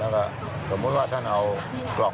แล้วก็สมมุติว่าท่านเอากล่อง